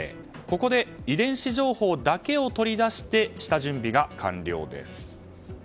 ここで遺伝子情報だけを取り出して下準備が完了です。